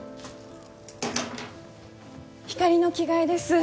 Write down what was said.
ひかりの着替えです。